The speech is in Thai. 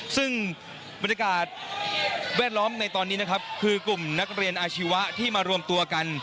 ซึ่งบรรยากาศแวดล้อมในตอนนี้นะครับคือกลุ่มนักเรียนอาชีวะที่มารวมตัวกัน